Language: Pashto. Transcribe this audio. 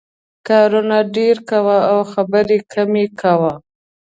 کارونه ډېر کوه او خبرې کمې کوه.